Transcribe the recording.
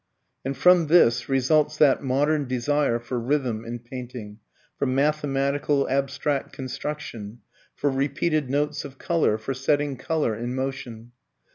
And from this results that modern desire for rhythm in painting, for mathematical, abstract construction, for repeated notes of colour, for setting colour in motion.